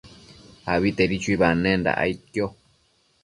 Abitedi chuibanenda aidquio